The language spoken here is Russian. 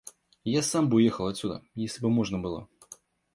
— Я сам бы уехал отсюда, если бы можно было.